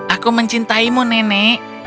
aku mencintaimu nenek